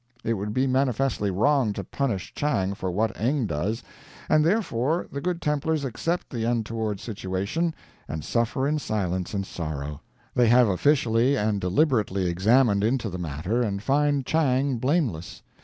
It would be manifestly wrong to punish Chang for what Eng does, and, therefore, the Good Templars accept the untoward situation, and suffer in silence and sorrow. They have officially and deliberately examined into the matter, and find Chang blameless.